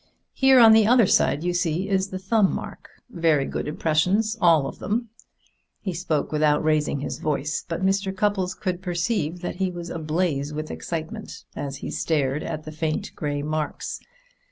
"Here on the other side, you see, is the thumb mark very good impressions all of them." He spoke without raising his voice, but Mr. Cupples could perceive that he was ablaze with excitement as he stared at the faint gray marks.